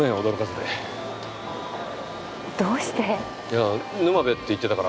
どうして？